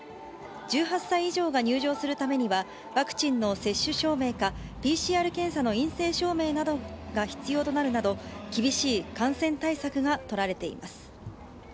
１８歳以上が入場するためには、ワクチンの接種証明かＰＣＲ検査の陰性証明などが必要となるなど、厳しい感染対策が取られています。